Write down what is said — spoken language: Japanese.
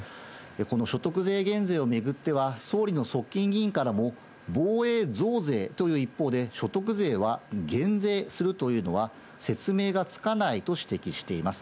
この所得税減税を巡っては、総理の側近議員からも、防衛増税という一方で、所得税は減税するというのは説明がつかないと指摘しています。